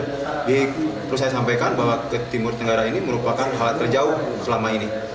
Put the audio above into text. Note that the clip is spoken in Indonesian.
jadi perlu saya sampaikan bahwa ke timur tenggara ini merupakan hal terjauh selama ini